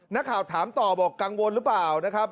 นักข่าวถามต่อบอกกังวลหรือเปล่านะครับ